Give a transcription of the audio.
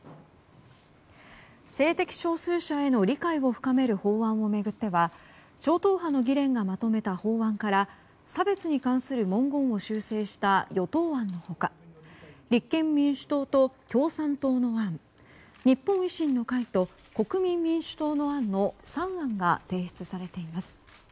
性的少数者への理解を深める法案を巡っては超党派の議連がまとめた法案から差別に関する文言を修正した与党案の他立憲民主党と共産党の案日本維新の会と国民民主党の案の３案が提出されています。